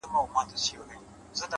ما له یوې هم یوه ښه خاطره و نه لیده _